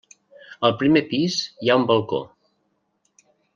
Al primer pis hi ha un balcó.